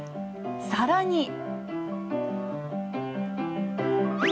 更に。